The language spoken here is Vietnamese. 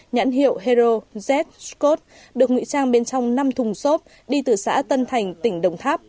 nhãn hiệu hero z scot được ngụy trang bên trong năm thùng xốp đi từ xã tân thành tỉnh đồng tháp